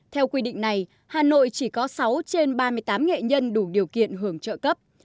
theo quy định này hà nội chỉ có sáu trên ba mươi tám nghệ nhân đủ điều kiện hưởng trợ cấp